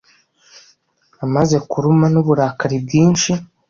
Amaze kuruma n'uburakari bwinshi